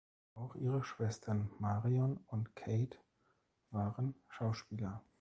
Auch ihre Schwestern Marion und Kate waren Schauspieler.